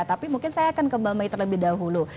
tapi mungkin saya akan kebamai terlebih dahulu